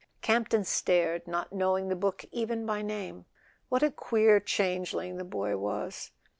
Campton stared, not knowing the book even by name. WQiat a queer changeling the boy was!